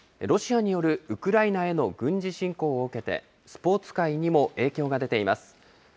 ロシアによるウクライナへの軍事侵攻を受けて、スポーツ界にも影響が出ています。